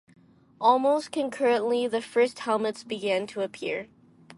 Almost concurrently, the first helmets began to appear.